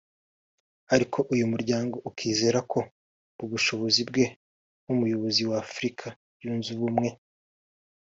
Ariko uyu muryango ukizera ko mu bushobozi bwe nk’umuyobozi w’Afurika yunze Ubumwe